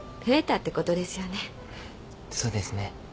そうですね。